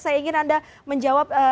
saya ingin anda menjawab